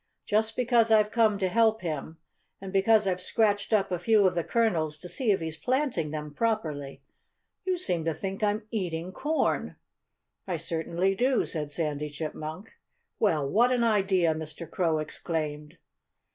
Just because I've come to help him, and because I've scratched up a few of the kernels to see if he's planting them properly, you seem to think I'm eating corn." "I certainly do," said Sandy Chipmunk. "Well, what an idea!" Mr. Crow exclaimed.